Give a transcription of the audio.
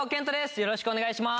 よろしくお願いします。